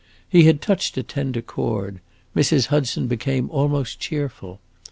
He had touched a tender chord; Mrs. Hudson became almost cheerful.